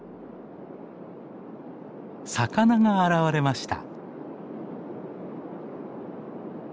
魚が現れました。